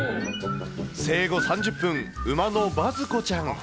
生後３０分、馬のバズ子ちゃん。